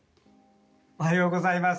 おはようございます。